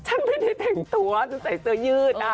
ฉันไม่ได้แต่งตัวฉันใส่เสื้อยืด